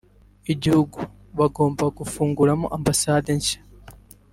igihugu bagomba gufunguramo ambasade nshya